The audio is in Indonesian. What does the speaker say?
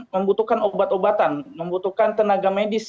membutuhkan obat obatan membutuhkan tenaga medis